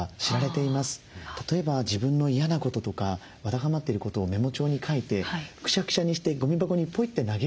例えば自分の嫌なこととかわだかまってることをメモ帳に書いてクシャクシャにしてごみ箱にポイッて投げる。